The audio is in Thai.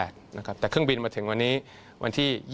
แต่เครื่องบินมาถึงวันนี้วันที่๒๒